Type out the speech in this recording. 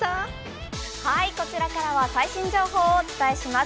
こちらからは、最新情報をお伝えします。